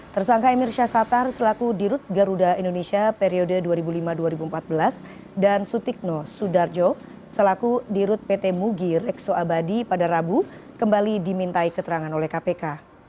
tersangka emir syahsatar selaku dirut garuda indonesia periode dua ribu lima dua ribu empat belas dan sutikno sudarjo selaku dirut pt mugi rekso abadi pada rabu kembali dimintai keterangan oleh kpk